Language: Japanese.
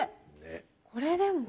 これでも？